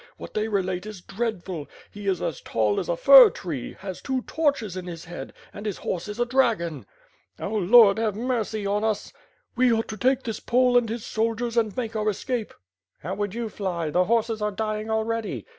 What they relate is dreadful. He is as tall as a fir tree, has two torches in his head, and his horse is a dragon." "Oh Lord, have mercy on us!" '^e ought to take tiiis Pole and his soldiers and make our escape." WITH FIRE AND SWORD. 487 "How would you fly. The horses are dying already?"